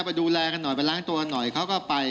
ไปดูแลกันหน่อยไปล้างตัวหน่อยเขาก็ไป